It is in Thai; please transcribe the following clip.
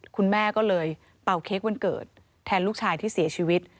คุณแม่ก็เลยเป่าเค้กวันเกิดแทนลูกชายที่เสียชีวิต